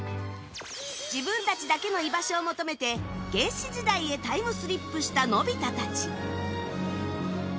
自分たちだけの居場所を求めて原始時代へタイムスリップしたのび太たち。